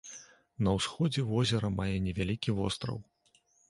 На ўсходзе возера мае невялікі востраў.